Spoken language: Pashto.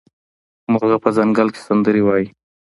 مرغه په ځنګل کې سندرې وايي.